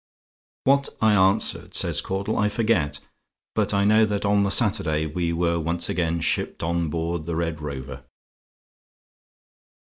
"What I answered," says Caudle, "I forget; but I know that on the Saturday we were once again shipped on board the 'Red Rover'."